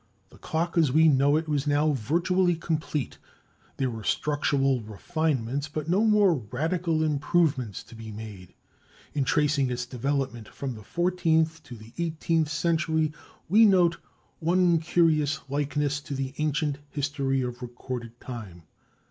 The clock as we know it was now virtually complete. There were structural refinements, but no more radical improvements to be made. In tracing its development from the fourteenth to the eighteenth century, we note one curious likeness to the ancient history of recorded time.